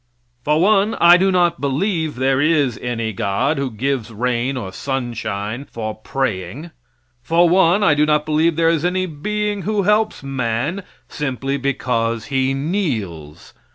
For one, I do not believe there is any God who gives rain or sunshine for praying. For one, I do not believe there is any being who helps man simply because he kneels.